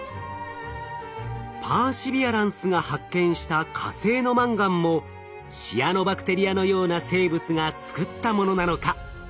パーシビアランスが発見した火星のマンガンもシアノバクテリアのような生物が作ったものなのか？